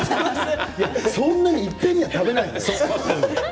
そんないっぺんには食べないですよ。